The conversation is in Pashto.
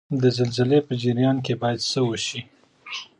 د زلزلې په جریان کې باید څه وشي؟